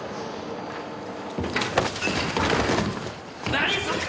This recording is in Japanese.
何すんだ！